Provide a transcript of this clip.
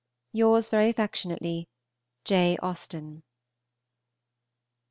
Yours very affectionately, J. AUSTEN.